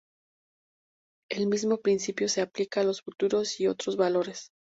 El mismo principio se aplica a los futuros y otros valores.